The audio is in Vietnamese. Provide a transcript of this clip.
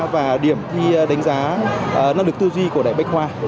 và điểm thi đánh giá năng lực tư duy của đại bách khoa